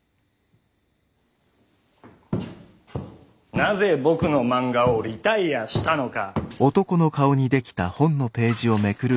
なぜ僕の漫画をリタイアしたのか。